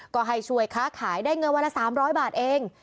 ก็ให้ช่วยค้าขายได้เงินวันละ๓๐๐บาทเอง